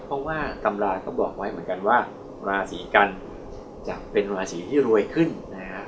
เพราะว่าตำราต้องบอกไว้เหมือนกันว่าราศีกันจะเป็นราศีที่รวยขึ้นนะฮะ